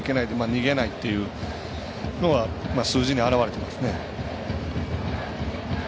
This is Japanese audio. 逃げないっていうのは数字に表れていますね。